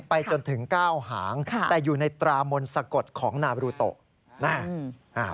ไปจนถึงเก้าหางแต่อยู่ในตรามนสะกดของนาบรูโตะ